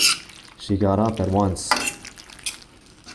She got up at once.